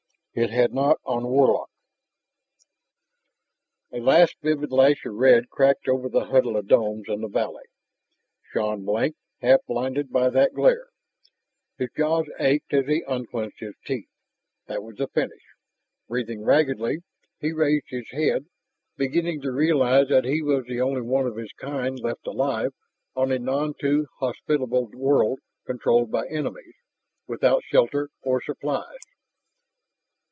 It had not on Warlock. A last vivid lash of red cracked over the huddle of domes in the valley. Shann blinked, half blinded by that glare. His jaws ached as he unclenched his teeth. That was the finish. Breathing raggedly, he raised his head, beginning to realize that he was the only one of his kind left alive on a none too hospitable world controlled by enemies without shelter or supplies.